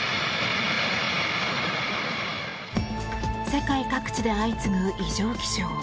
世界各地で相次ぐ異常気象。